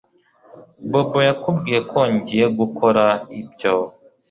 Bobo yakubwiye ko ngiye gukora ibyo